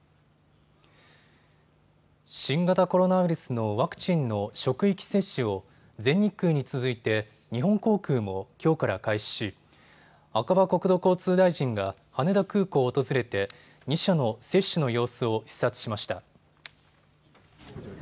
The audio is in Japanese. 新型コロナウイルスのワクチンの職域接種を全日空に続いて日本航空もきょうから開始し赤羽国土交通大臣が羽田空港を訪れて２社の接種の様子を視察しました。